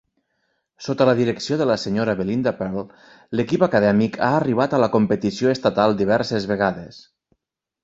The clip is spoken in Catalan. Sota la direcció de la Sra. Belinda Pearl, l'equip acadèmic ha arribat a la competició estatal diverses vegades.